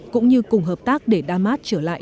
cũng như cùng hợp tác để damas trở lại